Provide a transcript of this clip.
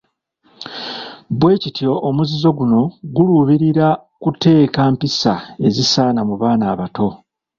Bwe kityo omuzizo guno guluubirira kuteeka mpisa ezisaana mu baana abato.